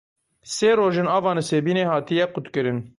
Sê roj in ava Nisêbînê hatiye qutkirin.